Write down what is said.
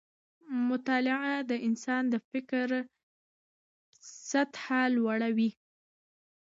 مطالعه د انسان د فکر سطحه لوړه وي